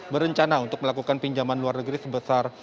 berencana untuk melakukan pinjaman luar negeri sebesar